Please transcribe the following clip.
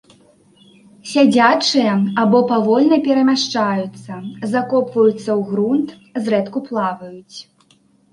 Сядзячыя або павольна перамяшчаюцца, закопваюцца ў грунт, зрэдку плаваюць.